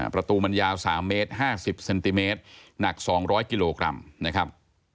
ประตูมันยาว๓เมตร๕๐เซนติเมตรหนัก๒๐๐กิโลกรัมนะครับ